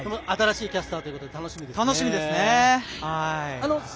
新しいキャスターということで楽しみですね。